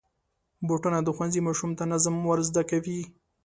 بوټونه د ښوونځي ماشوم ته نظم ور زده کوي.